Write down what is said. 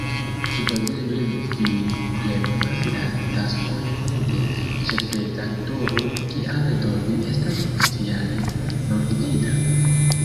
Supozeble vi plenumas la taskojn de ĉefredaktoro, kial do vi estas oficiale nur "gvida"?